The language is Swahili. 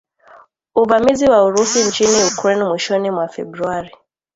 uvamizi wa Urusi nchini Ukraine mwishoni mwa Februari